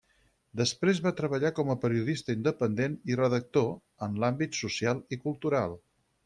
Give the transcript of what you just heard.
Després va treballar com a periodista independent i redactor, en l'àmbit social i cultural.